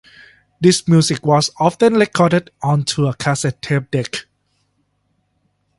This music was often recorded onto a cassette tape deck.